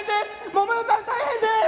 大変です！